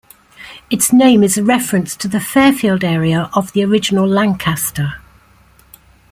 Its name is a reference to the Fairfield area of the original Lancaster.